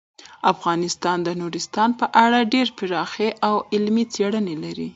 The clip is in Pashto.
افغانستان د نورستان په اړه ډیرې پراخې او علمي څېړنې لري.